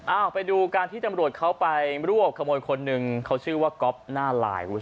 ไปดูการที่ตำรวจเขาไปรวบขโมยคนหนึ่งเขาชื่อว่าก๊อฟหน้าลาย